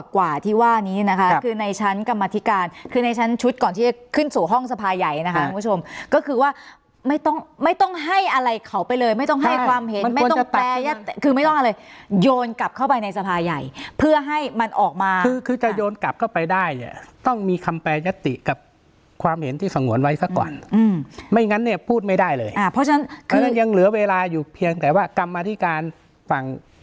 คือว่าไม่ต้องไม่ต้องให้อะไรเขาไปเลยไม่ต้องให้ความเห็นไม่ต้องแปรแยะคือไม่ต้องอะไรโยนกลับเข้าไปในสภาใหญ่เพื่อให้มันออกมาคือคือจะโยนกลับเข้าไปได้อ่ะต้องมีคำแปรยติกับความเห็นที่สงวนไว้สักก่อนอืมไม่งั้นเนี่ยพูดไม่ได้เลยอ่าเพราะฉะนั้นคือแล้วยังเหลือเวลาอยู่เพียงแต่ว่ากรรมธิการฝั่